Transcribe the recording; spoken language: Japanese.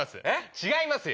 違いますよ。